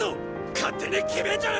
勝手に決めんじゃねェ！